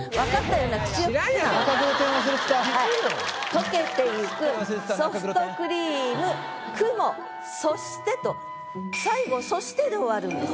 「溶けてゆくソフトクリーム・雲そして」と最後「そして」で終わるんです。